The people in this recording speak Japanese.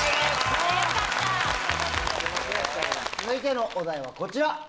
続いてのお題はこちら。